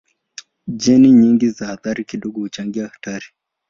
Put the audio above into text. Jeni nyingi za athari kidogo huchangia hatari.